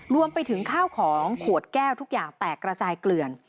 รวมไปถึงข้าวของขวดแก้วทุกอย่างแตกระจายเกลื่อน